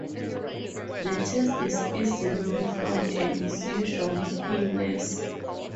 The test is easily performed and is usually painless.